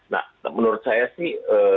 nah menurut saya sih